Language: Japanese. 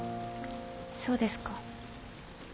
そうですか。